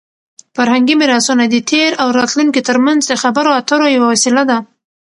فرهنګي میراثونه د تېر او راتلونکي ترمنځ د خبرو اترو یوه وسیله ده.